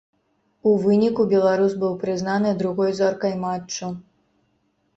У выніку беларус быў прызнаны другой зоркай матчу.